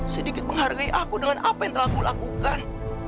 sedikit menghargai aku dengan apa yang telah aku lakukan